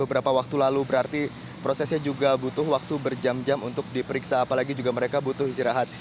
berarti prosesnya juga butuh waktu berjam jam untuk diperiksa apalagi juga mereka butuh istirahat